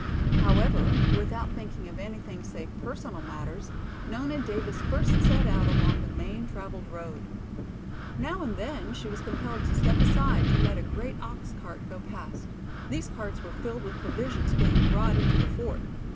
However, without thinking of anything save personal matters, Nona Davis first set out along the main traveled road. Now and then she was compelled to step aside to let a great ox cart go past; these carts were filled with provisions being brought into the fort.